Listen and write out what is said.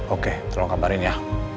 oke tolong kabarin ya